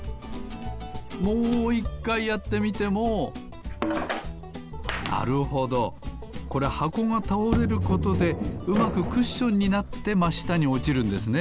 もう１かいやってみてもなるほどこれはこがたおれることでうまくクッションになってましたにおちるんですね。